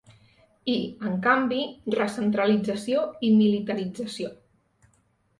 I, en canvi, recentralització i militarització.